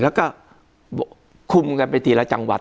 แล้วก็คุมกันไปทีละจังหวัด